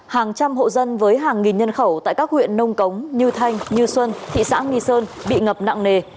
hàng trăm hộ dân với hàng nghìn nhân khẩu tại các huyện nông cống như thanh như xuân thị xã nghi sơn bị ngập nặng nề